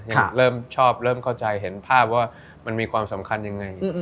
เริ่มชอบเริ่มเข้าใจเห็นภาพว่ามันมีความสำคัญยังไง